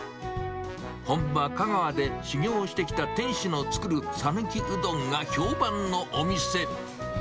本場、香川で修業してきた店主の作る讃岐うどんが評判のお店。